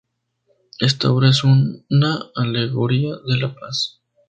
Esta obra es una alegoría de la Paz.